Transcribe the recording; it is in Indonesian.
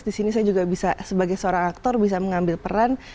di sini saya juga bisa sebagai seorang aktor bisa mengambil peran